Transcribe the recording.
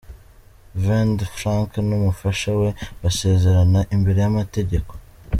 Vd Frank n'umufasha we basezerana imbere y'amategeko.